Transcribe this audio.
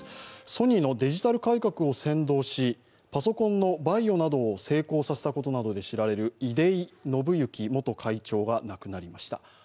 ソニーのデジタル改革を先導しパソコンのＶＡＩＯなどを成功させたなどで知られる出井伸之元会長が亡くなりました。